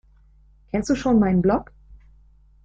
Kennst du schon mein Blog?